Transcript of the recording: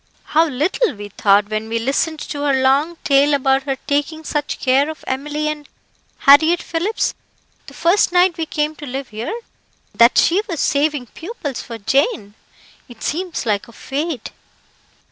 How little we thought when we listened to her long tale about her taking such care of Emily and Harriett Phillips, the first night we came to live here, that she was saving pupils for Jane. It seems like a fate."